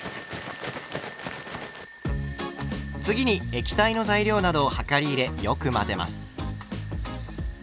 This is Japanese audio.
次に液体の材料などを量り入れよく混ぜます。